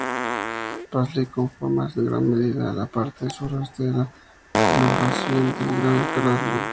Paisley conforma en gran medida la parte suroeste de la conurbación del Gran Glasgow.